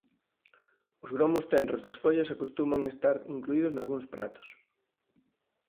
Os gromos tenros das follas acostuman estar incluídos nalgúns pratos.